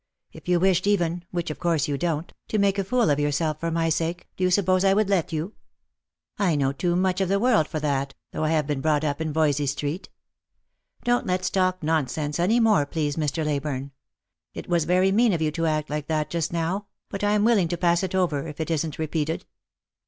If you wished even — which of course you don't — to make a fool of yourself for my sake, do you suppose I would let you ? I know too much of the world for that, though I have been brought up in Voysey street. Don't let's talk nonsense any more, please, Mr. Leyburne. It was very mean of you to act like that just now; but I'm willing to pass it over, if it isn't repeated."